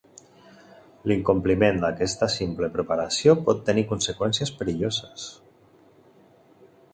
L'incompliment d'aquesta simple preparació pot tenir conseqüències perilloses.